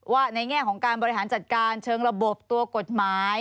ในแง่ของการบริหารจัดการเชิงระบบตัวกฎหมาย